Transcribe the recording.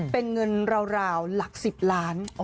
เป็นเงินราวหลัก๑๐ล้าน